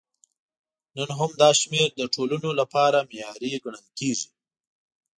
نن هم دا شمېر د ټولنو لپاره معیاري ګڼل کېږي.